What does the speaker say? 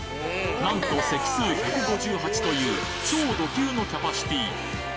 なんと席数１５８という超ド級のキャパシティ